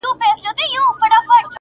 • کلونه کېږي له زندانه اواز نه راوزي,